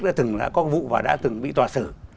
đã từng có vụ và đã từng bị tòa sử